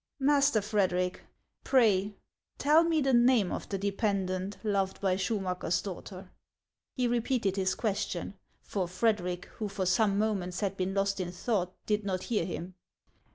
Master Frederic, pray tell me the name of the dependent loved by Schumacker's daughter." He repeated his question ; for Frederic, who for some moments had been lost in thought, did not hear him.